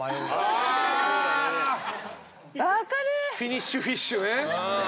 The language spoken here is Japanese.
フィニッシュフィッシュね。